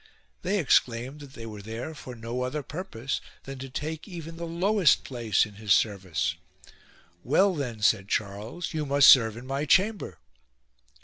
They ex claimed that they were there for no other purpose than to take even the lowest place in his service. "Well then," said Charles, "you must serve in my chamber."